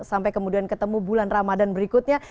sampai kemudian ketemu bulan ramadhan berikutnya